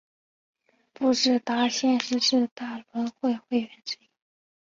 富士达现时是大轮会会员之一。